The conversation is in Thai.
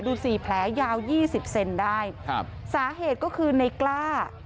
สี่แผลยาวยี่สิบเซนได้ครับสาเหตุก็คือในกล้า